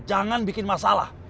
jangan bikin masalah